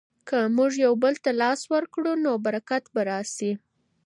که موږ یو بل ته لاس ورکړو نو برکت به راسي.